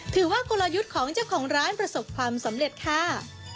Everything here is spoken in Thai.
กลยุทธ์ของเจ้าของร้านประสบความสำเร็จค่ะ